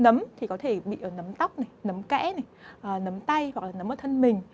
nấm thì có thể bị ở nấm tóc nấm kẽ nấm tay hoặc là nấm ở thân mình